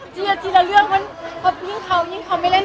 ทีละทีแล้วเรื่องก็ยิ่งเขายิ่งเขาไม่เล่นโซเชียลด้วย